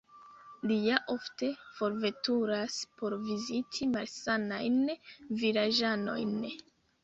Li ja ofte forveturas por viziti malsanajn vilaĝanojn.